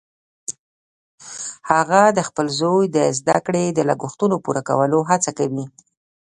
هغه د خپل زوی د زده کړې د لګښتونو پوره کولو هڅه کوي